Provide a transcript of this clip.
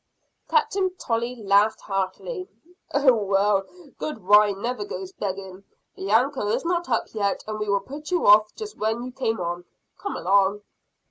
Captain Tolley laughed heartily. "Oh well, good wine never goes begging. The anchor is not up yet, and we will put you off just where you came on. Come along!"